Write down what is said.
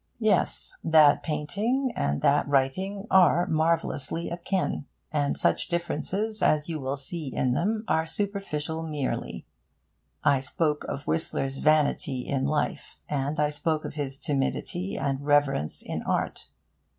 Yes, that painting and that writing are marvellously akin; and such differences as you will see in them are superficial merely. I spoke of Whistler's vanity in life, and I spoke of his timidity and reverence in art.